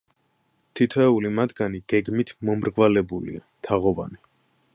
თითოეული მათგანი გეგმით მომრგვალებულია, თაღოვანი.